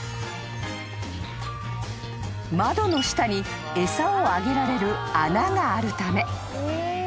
［窓の下に餌をあげられる穴があるため］